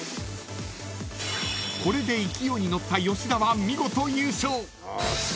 ［これで勢いに乗った吉田は見事優勝］